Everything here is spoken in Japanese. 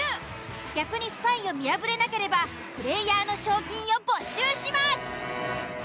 逆にスパイを見破れなければプレイヤーの賞金を没収します。